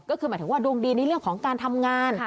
ก็คือหมายถึงว่าดวงดีในเรื่องของการทำงาน